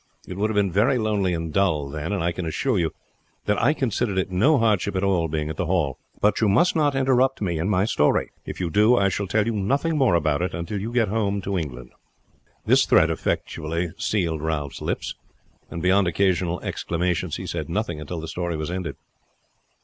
It would have been very lonely and dull then; and I can assure you that I considered it no hardship at all being at the Hall. But you must not interrupt me in my story. If you do I shall tell you nothing more about it until you get home to England." This threat effectually sealed Ralph's lips, and beyond occasional exclamations he said nothing until the story was ended.